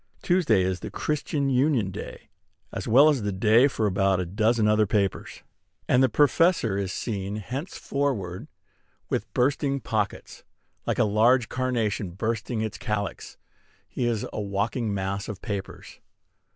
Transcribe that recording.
Tuesday is "The Christian Union" day, as well as the day for about a dozen other papers; and the Professor is seen henceforward with bursting pockets, like a very large carnation bursting its calyx. He is a walking mass of papers.